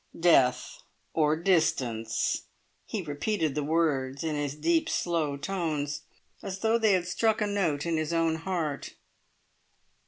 "Death or distance!" he repeated the words in his deep, slow tones, as though they had struck a note in his own heart.